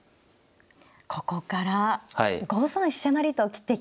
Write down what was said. ここから５三飛車成と切っていきました。